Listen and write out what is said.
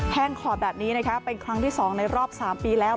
แห้งขอบแบบนี้นะคะเป็นครั้งที่๒ในรอบ๓ปีแล้ว